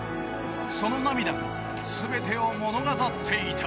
その涙は全てを物語っていた。